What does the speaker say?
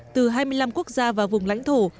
từ hai mươi năm quốc gia và vùng lãnh thổ